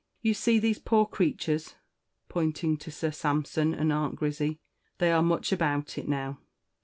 You see these poor creatures," pointing to Sir Sampson and Aunt Grizzy. "They are much about it now.